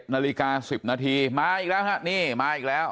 นาฬิกา๑๐นาทีมาอีกแล้วฮะนี่มาอีกแล้ว